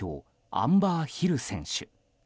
アンバー・ヒル選手。